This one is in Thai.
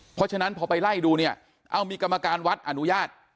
เพราะฉะนั้นพอไปไล่ดูเนี่ยเอามีกรรมการวัดอนุญาต